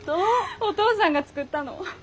お父さんが作ったの。